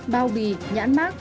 bao bì nhãn mát